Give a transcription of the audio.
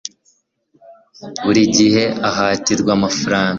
buri gihe ahatirwa amafaranga